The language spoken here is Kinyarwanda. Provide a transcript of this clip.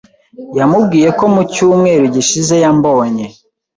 Yamubwiye ko mu cyumweru gishize yambonye.